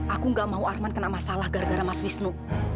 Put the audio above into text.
aku gak mau arman kena masalah gara gara mas wisnu